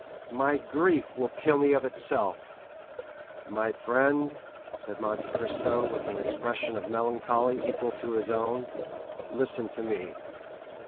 "My grief will kill me of itself." "My friend," said Monte Cristo, with an expression of melancholy equal to his own, "listen to me.